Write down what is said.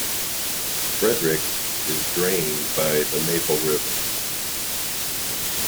Frederick is drained by the Maple River.